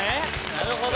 なるほど。